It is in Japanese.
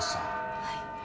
はい。